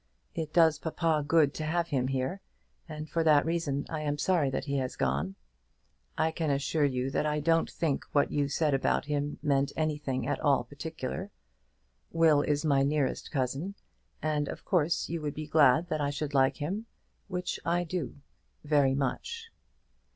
It does papa good to have him here, and for that reason I am sorry that he has gone. I can assure you that I don't think what you said about him meant anything at all particular. Will is my nearest cousin, and of course you would be glad that I should like him, which I do, very much.